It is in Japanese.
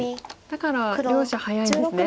だから両者早いんですね。